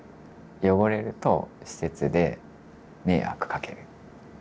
汚れると施設で迷惑かける。